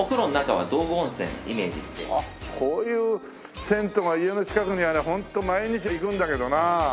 あっこういう銭湯が家の近くにありゃホント毎日行くんだけどな。